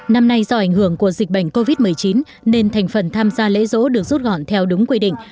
năm nay do ảnh hưởng của dịch bệnh covid một mươi chín nên thành phần tham gia lễ rỗ được rút gọn theo đúng quy định